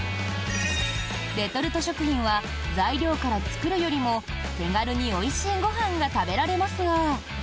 レトルト食品は材料から作るよりも手軽においしいご飯が食べられますが。